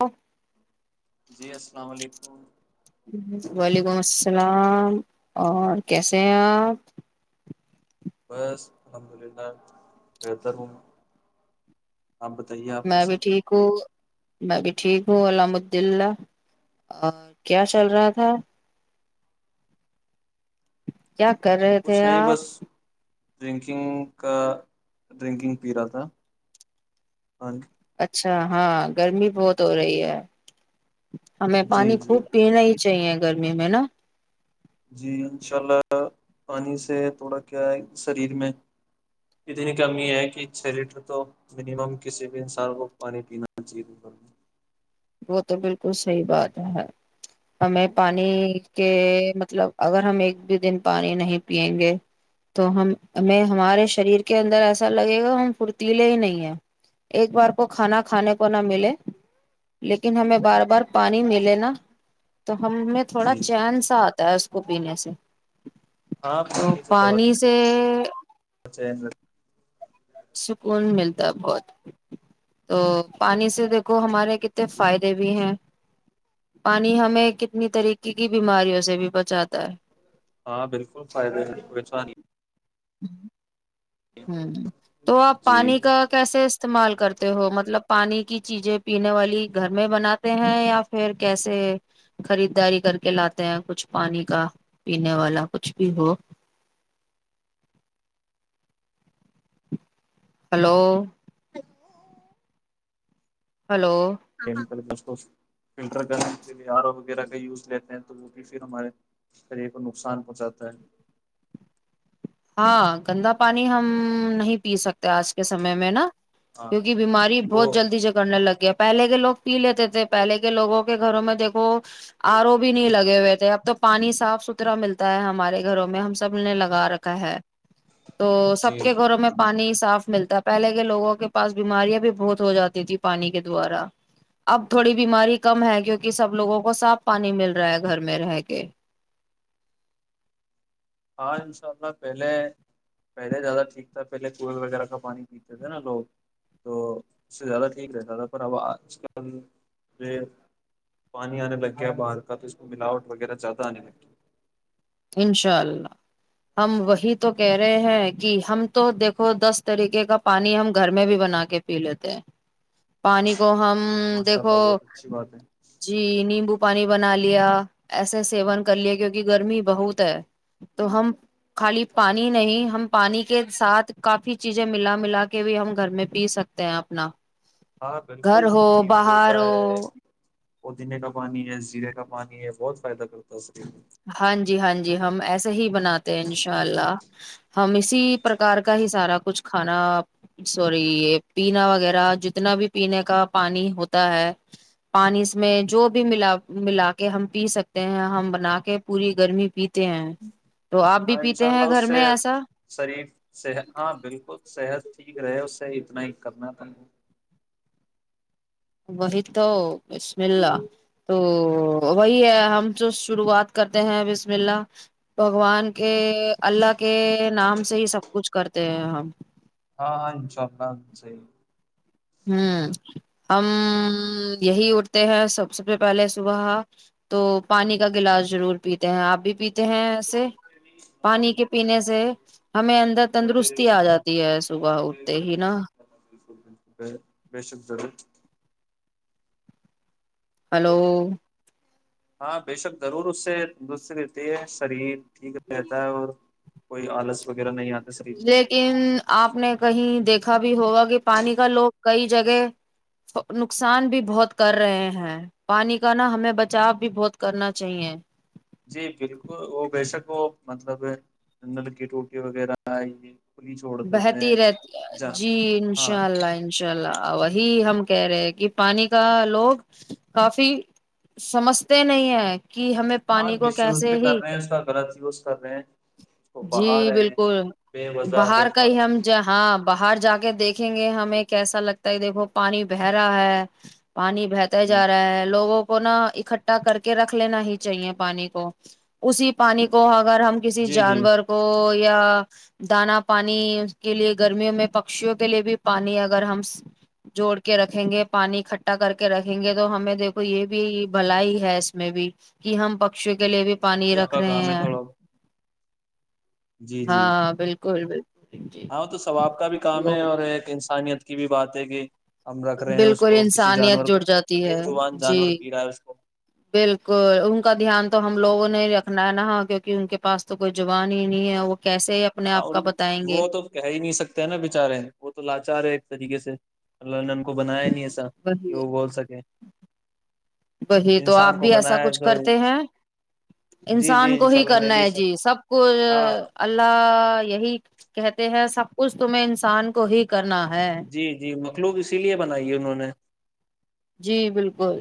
ا [unintelligible] جی السلام علیکم وعلیکم السلام اور کیسے ہیں آپ بس الحمد للہ بہتر ہ میں بھی ٹھیک ہوں میں بھی ٹھیک ہوں الحمدلہ اور کیا چل رہا تھا کیا کر رہے تھے کچھ نہیں آپ بس ڈرنکنگ کا ڈرنکنگ پی رہا تھا ہ اچھا ہاں گرمی بہت ہو رہی ہے ہمیں جی پانی جی خوب پینے چیے گرمی میں نا [unintelligible] جی انشاء اللہ پانی سے تھوڑا کیا ہے شریر میں اتنی کمی ہے کہ چھ لیٹر تو منیمم کسی بھی انسان کو پانی پینا چاہیے گھر وہ تو بالکل صحی بات ہے ہمیں پانی کے مطلب اگر ہم ایک بھی دن پانی نہیں پیئیں گے تو ہم ہمیں ہمارے شریر کے اندر ایسا لگے گا ہم فھرتیلے ہی نہیں ہیں ایک بار کو کھانا کھانے کو نہ ملے لیکن ہمیں بار بار پانی ملے نا تو ہم نے تھوڑا جی چین ساتھ اس کو پینے سے ہاں تو پانی سے [inaudible] چ [unintelligible] سکون ملتا ہے بہت تو پانی سے دیکھو ہمارے کتنے جی فائدے بھی ہیں پانی ہمیں کتنی طریقے کی بیماریوں سے بھی بچاتا ہے ہاں بالکل فائد ہیں وچ [inaudible] ہوں تو آپ جی پانی کا کیسے استعمال کرتے ہو مطلب پانی کی چیزیں پینے والی گھر میں بناتے ہیں یا پھر کیسے خریدداری کر کے لاتے ہیں کچھ پانی کا پینے والا کچھ بھی ہو ہلو ہلو م کرل بسو [inaudible] فلٹر کر تہار وغیرہ کا یوز لیتے ہیں تو وہ بھی پھر ہمارے شریے کو نقصان پہنچاتا ہے ہاں گندا پانی ہم نہیں پی سکتے آج کے سمے میں نا ہاں کیونکہ بیماری وہ بہت جلد جگڑنے لگیا پہلے کے لوگ پی لیتے تھے پہلے کے لوگوں کے گھروں میں دیکھو آر او بھی نہیں لگے ہوئے تھے اب تو پانی صاف ستھرا ملتا ہے ہمارے گھروں میں ہم سب نے لگا رکھ کہ ہے تو جی سب کے جی گھروں میں پانی صاف ملتا پہلے کے لوگوں کے پاس بیماریاں بھی بہت ہو جاتی تھی پانی کے دوارا اب تھوڑی بیماری کم ہے کیونکہ سب لوگوں کو صاف پانی مل رہا ہے گھر میں رہ کے ہاں ان شاء اللہ پہلے پہلے زیادہ ٹھیک تھا پہلے کنئ وغیرہ کا پانی پیتے تھے نا لوگ تو اس سے زیادہ ٹھیک رہتا تھا پر اب آج کل یہ پانی آنے لگ گیا باہر کا تو اس کو ملاوٹ وغیرہ زیادہ آنے لگ گی انشاء اللہ ہم وہی تو کہہ رہے ہیں کہ ہم تو دیکھو دس طریقے کا پانی ہم گھر میں بھی بنا کے پی لیتے ہیں پانی کو ہم ہ ماشاء اللہ دیکھو بہت اچھی بات ہے جی نیمبو پانی بنا لیا ایسے سیون کر لیا کیونکہ گرمی بہت ہے تو ہم خالی پانی نہیں ہم پانی کے ساتھ کافی چیزیں ملا ملا کے بھی ہم گھر میں پی سکتے ہیں اپنا ہاں بالکل گھر ہو نیبو باہر کا ہے ہو پودینے کا پانی ہے زیرے کا پانی ہے بہت فائدہ کرتا ہے سریر کو ہاں جی ہاں جی ہم ایسے ہی بناتے ہیں ان شاء اللہ ہم اسی پرکار کا ہی سارا کچھ کھانا سوری یہ پینا وغیرہ جتنا بھی پینے کا پانی ہوتا ہے پانی اس میں جو بھی ملا ملا کے ہم پی سکتے ہیں ہم بنا کے کہ پوری گرمی پیتی ہاں ان شاء اللہ گھر اس سے میں ایسا شریفحت ہاں بالکل صحت ٹھیک رہے اس سے اتنا ہی کرنا تھا وہی تو بسم اللہ تو وہی ہے ہم تو شروعات کرتے ہیں بسم اللہ بھگوان کے اللہ کے نام سے ہی سب کچھ کرتے ہیں ہم ہاں چ سےی ہوں ہم یہی اٹھتے ہیں سب سے پ پہلے صبح تو پانی کا گلاس ضرور پیتے ہیں آپ بھی پیتے ہیں ایسے پانی کے پینے سے ہمیں اندر یا پھر تندرستی آ جاتی ہے صبح اٹھتے ہی نا ب بے شک ضرورت ہلو ہاں بے شک ضرور اس سےندستری رہتی ہے شرین ٹھیک رہتا ہے اور کوئی آلس وغیرہ نہیں آتا شریر میں لیکن آپ نے کہیں دیکھا بھی ہوگا کہ پانی کا لوگ کئی جگہ نقصان بھی بہت کر رہے ہیں پانی کا نا ہمیں بچاؤ بھی بہت کرنا چاہیے جی بالکل وہ بےشک وہ مطلب نلکی ٹوٹی وغیرہ آئی بہتی رہتی جی ہاں انشاء اللہ انشاء اللہ وہی ہم کہہ رہے ہیں کہ پانی کا لوگ کافی سمجھتے نہیں ہیں کہ ہمیں ہاں پانی کو مس یوز کیسے بھی کر ہی رہے ہیں اس کا غلط یوز کر رہے ہیں کو بہا جی رہے ہیں بالکل بے وضع بے باہر کا فور ہی ہم ج ہاں باہر جا کے دیکھیں گے ہمیں کیسا لگتا ہے دیکھو پانی بہ رہا ہے پانی بہتا جا رہا ہے لوگوں کو پنا اکٹھا کر کے رکھ لینا ہی چاہیے پانی کو اسی پانی کو اگر ہم کسی جی جی جانور جی کو یا دانا پانی کے لیے گرمیوں میں پکشیوں کے لیے بھی پانی اگر ہم جوڑ کے رکھیں گے پانی اکٹھا کر کے رکھیں گے تو ہمیں دیکھو یہ بھی بھل ہی ہے اس میں بھی کہ ہم پکشیوں کے لیے بھی پانی آپ رکھ کا رہے کام ہے ہیں تھوڑا جی جی ہاں بالکل کوئی ہاں تو ثواب کا بھی کام ہے اور ایک انسانیت کی بھی بات ہے کہ ہم رکھ رہے ہیں اس بالکل کو کسی انسانیت جانور جڑ کو جاتی بے ہے زبان جی جانور پی رہا ہے اس کو بالکل ان کا دھیان تو ہم لوگوں نے رکھنا نہا کیونکہ ان کے پاس تو کوئی زبان ہی نہیں ہے وہ کیسے اپنے ہاں آپ اور کا بتائیں گے وہ تو کہہ ہی نہیں سکتے ہیں نا بچارے وہ تو لاچار ہے ایک طریقے سے ال لن کو بنایا نہیں ایسا کہ وہی وہ بول سکے وہی تو آپ انسان کو بھی ایسا بنایا ہے کچھ تو کرتے ہیں جی انسان جی کو انشاء ہی اللہ میں کرنا بھی ہے سے جی سب کوچ ہاں اللہ یہی کہتے ہیں سب کچھ تم انسان کو ہی کرنا ہے جی جی مخلوق اسی لیے بنائی ہے انہوں نے میں جی بالکل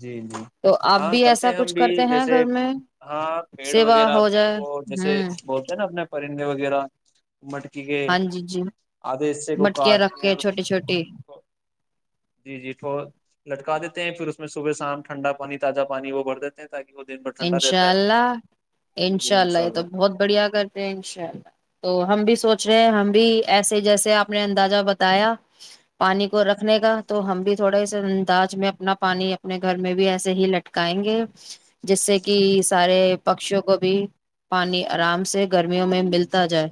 جی جی تو آپ ہاں بھی کرتے ایسا ہیں ہم کچھ بھی کرتے ہیں جیسے گھر میں ہاں پیڑ سیوا وغیرہ ہو پہ جائے وہ جیسے ہوں بولتے ہیں نا اپنے پرندے وغیرہ مٹکی کے ہاں جی جی آدھے حصے کو مٹکیاں کاٹ رکھ کے اور اس چھوٹیے چھوٹیے جٹ لٹکا دیتے ہیں پھر اس میں صبح شام ٹھنڈا پانی تازہ پانی وہ بھر دیتے ہیں تاکہ وہ دن بھر ٹھنڈا رہتا انشاء ہے اللہ انشاء اللہ یہ تو بہت بڑھیا کرتے ہیں ان شاء اللہ تو ہم بھی سوچ رہے ہیں ہم بھی ایسے جیسے آپ نے اندازہ بتایا پانی کو رکھنے کا تو ہم بھی تھوڑے انداز میں اپنا پانی اپنے گھر میں بھی ایسے ہی لٹکائیں گے جس سے کہ سارے پکشیوں کو بھی پانی آرام سے گرمیوں میں ملتا جائے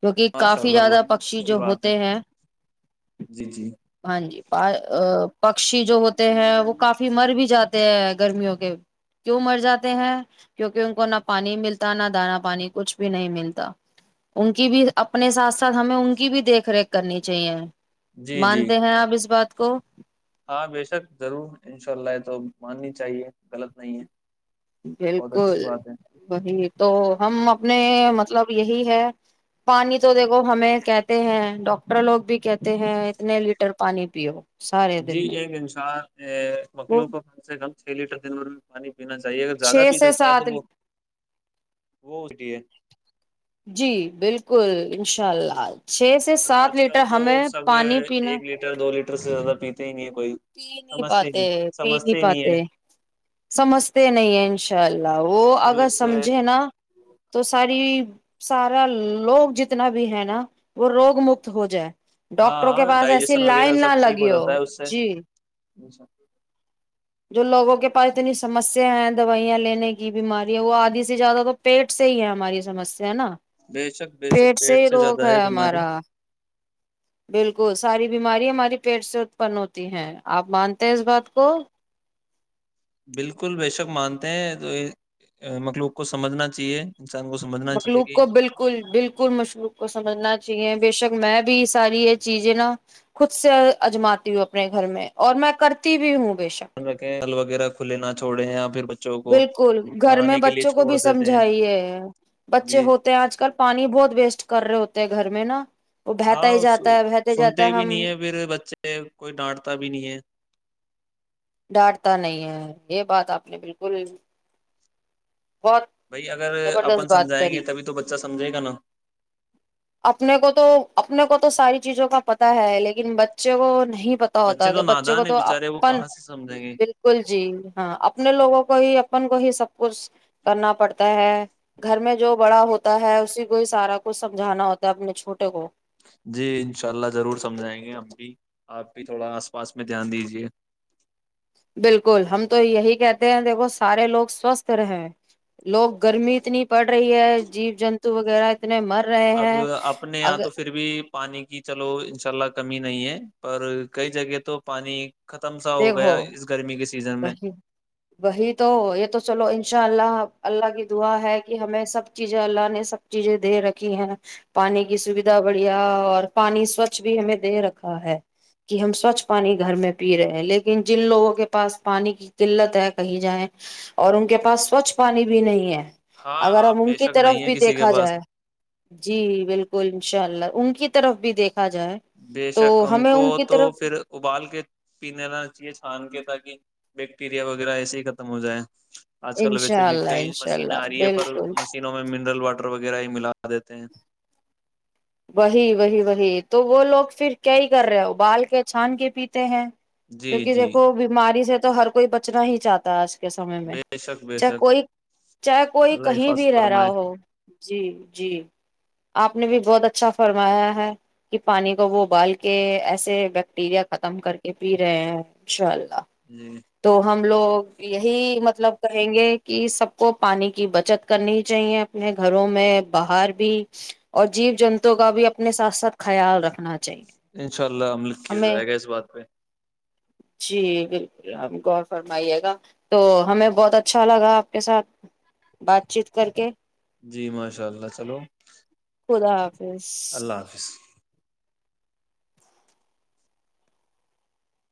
کیونکہ ماشاء کافی اللہ زیادہ بہت پکشی اچھی جو بات ہے ہوتے ہیں جی جی ہاں جی پکشی جو ہوتے ہیں وہ کافی مر بھی جاتے ہیں گرمیوں کے کیوں مر جاتے ہیں کیونکہ ان کو نہ پانی ملتا نہ دانا پانی کچھ بھی نہیں ملتا ان کی بھی اپنے ساتھ ساتھ ہمیں ان کی بھی دیکھ ریکھ کرنی چاہیے جی جی مانتے ہیں آپ اس بات کو کو ہاں بےشک ضرور انشاء اللہ ہے تو ماننی چاہیے غلط نہیں ہے بہت بالکل اچھی بات ہے وہی تو ہم اپنے مطلب یہی ہے پانی تو دیکھو ہمیں کہتے ہیں ڈاکٹر لوگ بھی کہتے ہیں اتنے لیٹر پانی پیو سارے جی دن میں ایک انشاء وہ مکلو کو گل سے ل چھ لیٹر دنوں میں پانی پینا چاہیے اگر زیادہ چھ پی سے سکتا ہے سات تو وہ وہ ہوتی ہے جی بالکل انشاء اللہ چھ سے اور سات آج کل لیٹر تو ہمیں سب پانی پینا ایک لیٹر دو لیٹر سے زیادہ پیتے نہیں کوئی پی نہیں سمجھتے ہی پاتے پی سمجھتے نہیں ہی ہے پاتے سمجھتے نہیں ہیں ان شاء اللہ ل وہ پھر اگر اس سے سمجھے نا تو ساری سارا لوگ جتنا بھی ہے نا وہ روگ مکت ہو جائے ہاں ڈاکٹر کے ہاں پاس ایسی ڈائجیشن وغیرہ لائن نہ سب ٹھیک لگی ہو جاتا ہے اس سے جی [unintelligible] جو لوگوں کے پاس اتنی سمسیا ہیں دوائیاں لینے کی بیمارییاں وہ آدھی سے زیادہ تو پیٹ سے ہی ہے ہماری سمسیا ہے نا بے شک بے پیٹ شک سے ہی روگ زیادہ ہے بیماری ہمارا بالکل ساری بیماری ہماراری پیٹ سے اتپن ہوتی ہیں آپ مانتے ہیں اس بات کو بالکل بے شک مانتے ہیں تو مطلوب کو سمجھنا چاہیے انسان کو سمجھنا چاہیے مخلوق کہ کو بالکل بالکل مشلوق کو سمجھنا چاہیے بےشک میں بھی یہ ساری یہ چیزیں نا خود سے اجماتی ہوں اپنے گھر میں اور میں کرتی بھی ہوں بے شک دھیان رکھے ہل وغیرہ کھلے نہا چھڑے ہیں آپ بالکل گھر میں بچوں کو چھوڑ بھی دیتے ہیں سمجھائیے بچے جی ہوتے ہیں آج کل پانی بہت ویسٹ کر رہے ہوتے ہیں گھر میں نا وہ بہتا ہاں ہی جاتا ہے بہتے سنتے جاتا بھی ہم نہیں ہے پھر بچے کوئی ڈانٹتا بھی نہیں ہے ڈانٹتا نہیں ہے یہ بات آپ نے بالکل بہت بھائی اگر اپن زبردست بات سمجائیں کری گے تبھی تو بچہ سمجھے گا نا اپنے کو تو اپنے کو تو ساری چیزوں کا پتا ہے لیکن بچے کو نہیں ہی پت ہوتا بچے ہے تو بچوں کو نادان ہے تو بےچارے وہ اپن کہاں سے سمجھیں گے بالکل جی ہاں اپنے لوگوں کو ہی اپن کو ہی سب کچھ کرنا پڑتا ہے گھر میں جو بڑا ہوتا ہے اسی کو ہی سارا کچھ سب جانا ہوتا ہے اپنے چھوٹے کو جی انشاء اللہ ضرور سمجھائیں گے ہم بھی آپ بھی تھوڑا آس پاس میں دھیان دیجیے بالکل ہم تو یہی کہتے ہیں دیکھو سارے لوگ سوستھ رہے لوگ گرمی اتنی پڑ رہی ہے جیب جنتو وغیرہ اتنے مر رہے اب ہیں اپنے یہاں اگر تو پھر بھی پانی کی چلو انشاء اللہ کمی نہیں ہے پر کئی جگہ تو پانی ختم سا ہو دیکھو گیا اس گرمی کے سیزن میں وہ وہی تو یہ تو چلو انشاء اللہ اللہ کی دعا ہے کہ ہمیں سب چیزیں اللہ نے سب چیزیں دے رکھی ہیں پانی کی سویدھا بڑھیا اور پانی سوچھ بھی ہمیں دے رکھا ہے کہ ہم سوچھ پانی گھر میں پی رہے لیکن جن لوگوں کے پاس پانی کی قلت ہے کہیں جائیں اور ان کے پاس سوچھ پانی بھی نہیں ہے ہاں اگر ہاں ہم ان بے کی شک طرف نہیں ہے بھی کسی کے دیکھا پاس جائے جی بالکل ان شاء اللہ ان کی طرف بھی دیکھ بے شک ان کو تو طرف پھر ابال کے پینے لا چاہیے چھان کے تاکہ بیکٹیریا وغیرہ ایسے ہی ختم ہو جائے آج کل ویسے انشاء بھی اللہ کئی انشاء مشینیں آ اللہ رہی ہے پر بالکل مشینوں میں منرل واٹر وغیرہ ہی ملا دیتے ہیں وہی وہی وہی تو وہ لوگ پھر کیا ہی کر رہے ابال کے چھان کے پیتے ہیں جی کیونکہ جی دیکھو بیماری سے تو ہر کوئی بچنا ہی چاہتا ہے آج سمے میں بے شک بے چاہ شک کوئی چاہے کوئی اللہ کہیں حفاظ بھی رہ رہا فرمائے ہو جی جی آپ نے بھی بہت اچھ اچھا فرمایا ہے کہ پانی کو وہ ابال کے ایسے بیکٹیریا ختم کر کے پی رہے ہیں شل جی تو ہم لوگ یہی مطلب کہیں گے کہ سب کو پانی کی بچت کرنی چاہیے اپنے گھروں میں باہر بھی اور جیو جنت کا بھی اپنے ساتھ ساتھ خیال رکھنا چ انشاء اللہ عمل کیا جائے گا اس بات پہ جی بالکل اپ غور فرمائیے گا تو ہمیں بہت اچھا لگا آپ کے ساتھ بات چیت کر کے جی ماشاء اللہ چلو خدا حافظ اللہ حافظ